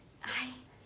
はい。